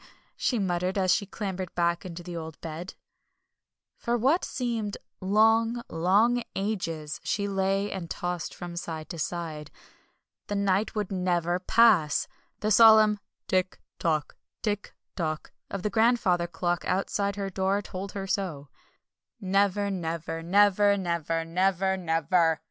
she muttered, as she clambered back into the old bed. For what seemed long, long ages she lay and tossed from side to side. The night would never pass! The solemn "Tick tock! Tick tock!" of the grandfather clock outside her door told her so. "Never never! Never never! NEVER NEVER!"